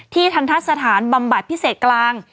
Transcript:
ทันทะสถานบำบัดพิเศษกลาง